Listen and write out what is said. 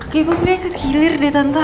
kaki gue kayak kekilir deh tante